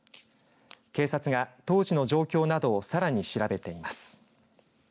警察が、当時の状況などをさらに調べています。